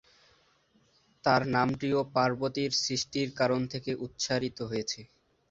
তাঁর নামটিও পার্বতীর সৃষ্টির কারণ থেকে উৎসারিত হয়েছে।